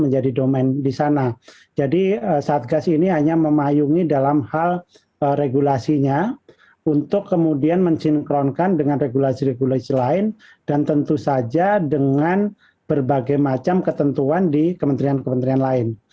jadi satgas ini hanya memayungi dalam hal regulasinya untuk kemudian mensinkronkan dengan regulasi regulasi lain dan tentu saja dengan berbagai macam ketentuan di kementerian kementerian lain